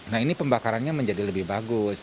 nah ini pembakarannya menjadi lebih bagus